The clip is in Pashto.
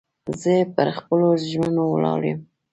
زه پر خپلو ژمنو ولاړ یم.